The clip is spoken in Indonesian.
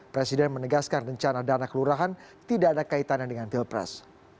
presiden menegaskan rencana dana kelurahan tidak ada kaitannya dengan pilpres